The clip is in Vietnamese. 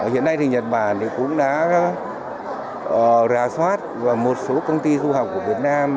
hiện nay thì nhật bản cũng đã rà soát và một số công ty du học của việt nam